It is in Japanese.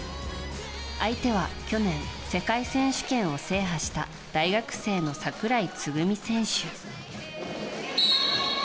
相手は、去年世界選手権を制覇した大学生の櫻井つぐみ選手。